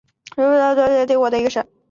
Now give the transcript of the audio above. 突尼斯原为奥斯曼帝国的一个省。